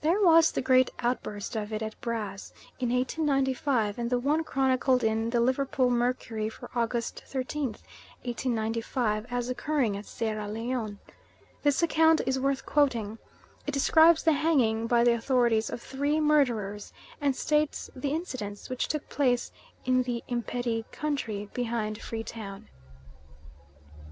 There was the great outburst of it at Brass, in 1895, and the one chronicled in the Liverpool Mercury for August 13th, 1895, as occurring at Sierra Leone. This account is worth quoting. It describes the hanging by the Authorities of three murderers, and states the incidents, which took place in the Imperi country behind Free Town.